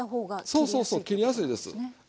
そうそうそう切りやすいです。